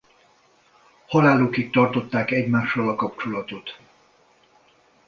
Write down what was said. Halálukig tartották egymással a kapcsolatot.